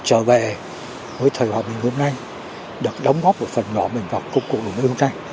trở về với thời hòa bình hôm nay được đóng góp một phần nhỏ mình vào cuộc cuộc đời hôm nay